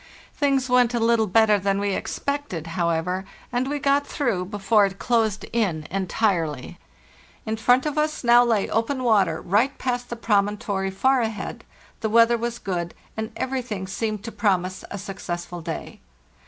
Things went a little better than we expected, however, and we got through before it closed in entirely. In front of us now lay open water right past the promontory far ahead; the weather was 2 good, and everything seemed to promise a successful day.